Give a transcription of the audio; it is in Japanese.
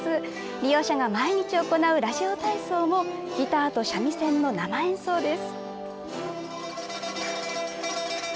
利用者が毎日行うラジオ体操もギターと三味線の生演奏です。